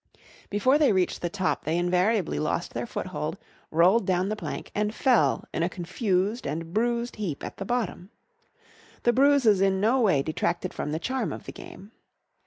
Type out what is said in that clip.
Before they reached the top they invariably lost their foothold, rolled down the plank and fell in a confused and bruised heap at the bottom. The bruises in no way detracted from the charm of the game.